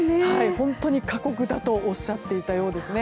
本当に過酷だとおっしゃっていたようですね。